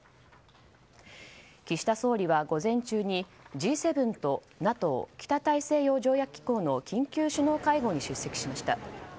岸田総理は午前中にＧ７とＮＡＴＯ・北大西洋条約機構の緊急首脳会合に出席しました。